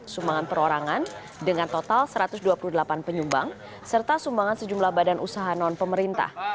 sumbangan perorangan dengan total satu ratus dua puluh delapan penyumbang serta sumbangan sejumlah badan usaha non pemerintah